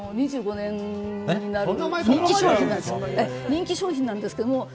２５年になる人気商品なんですけど。